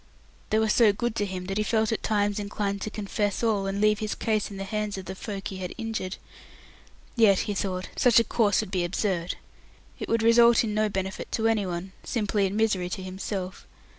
They were so good to him that he felt at times inclined to confess all, and leave his case in the hands of the folk he had injured. Yet he thought such a course would be absurd. It would result in no benefit to anyone, simply in misery to himself.